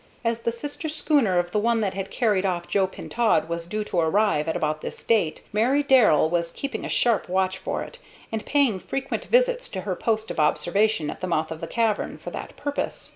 As the sister schooner of the one that had carried off Joe Pintaud was due to arrive at about this date, Mary Darrell was keeping a sharp watch for it, and paying frequent visits to her post of observation at the mouth of the cavern for that purpose.